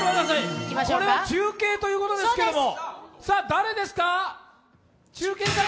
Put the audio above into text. これは中継ということですけれども、誰ですか？